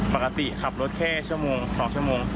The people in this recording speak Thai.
ปกติขับรถแค่ชั่วโมง๒ชั่วโมง